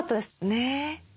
ねえ。